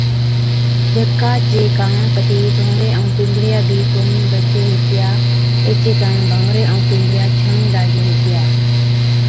جڪا چي ڪاڻ ڪتِي ڀَنوري ائُون پنبڙِيان بِي ڪونهِي بچي هِتي، ايڇي ڪاڻ ڀَنوري ائُون پمبڙِيا ڇَڻُون لاگي هِتِيا۔